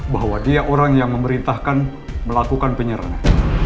bahwa dia orang yang memerintahkan melakukan penyerangan